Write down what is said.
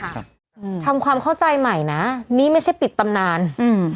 อืมทำความเข้าใจใหม่นะนี่ไม่ใช่ปิดตำนานอืม